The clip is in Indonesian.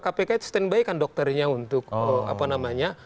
kpk itu standby kan dokternya untuk apa namanya